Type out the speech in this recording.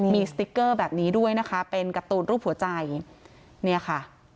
มีสติ๊กเกอร์แบบนี้ด้วยนะคะเป็นการ์ตูนรูปหัวใจเนี่ยค่ะ